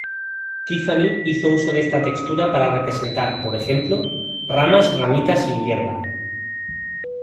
Tiffany hizo uso de esta textura para representar, por ejemplo, ramas, ramitas y hierba.